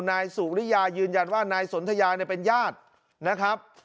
นายสุริยายืนยันว่านายสนทยาเนี่ยเป็นญาตินะครับ